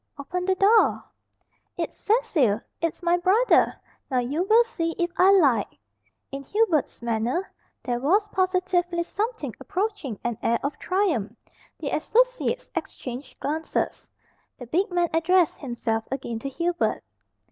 "Open the door!" "It's Cecil! It's my brother! Now you will see if I lied." In Hubert's manner there was positively something approaching an air of triumph. The associates exchanged glances. The big man addressed himself again to Hubert.